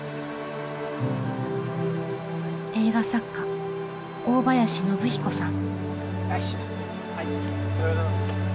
映画作家大林宣彦さん。